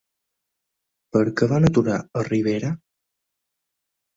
Per què van aturar a Rivera?